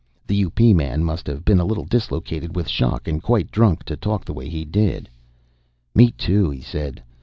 The U.P. man must have been a little dislocated with shock and quite drunk to talk the way he did. "Me too," he said.